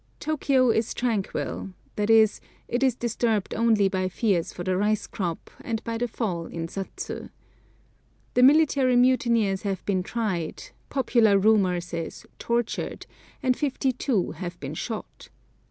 Tôkiyô is tranquil, that is, it is disturbed only by fears for the rice crop, and by the fall in satsu. The military mutineers have been tried, popular rumour says tortured, and fifty two have been shot.